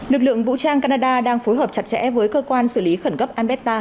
lực lượng vũ trang canada đang phối hợp chặt chẽ với cơ quan xử lý khẩn cấp ambeta